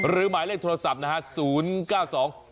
หรือหมายเลขโทรศัพท์นะฮะ๐๙๒๙๖๘๘๑๒๔